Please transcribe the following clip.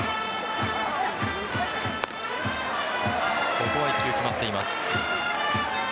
ここは１球決まっています。